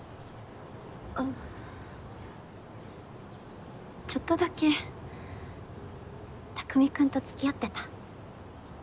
あっちょっとだけ匠君とつきあってた。